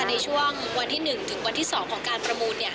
ในช่วงวันที่๑ถึงวันที่๒ของการประมูล